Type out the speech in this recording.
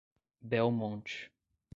Belmonte